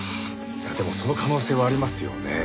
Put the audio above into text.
でもその可能性はありますよね。